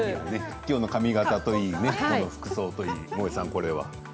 今日の髪形といいこの服装といい、もえさんこれは？